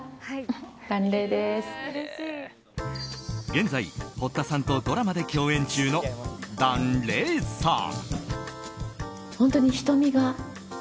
現在、堀田さんとドラマで共演中の檀れいさん。